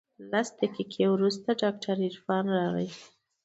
لس دقيقې وروسته ډاکتر عرفان راغى.